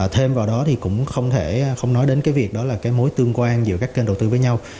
thêm vào đó thì cũng không nói đến việc đó là mối tương quan giữa các kênh đầu tư với nhau